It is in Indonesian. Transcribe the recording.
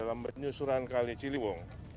selama penyusuran kali ciliwung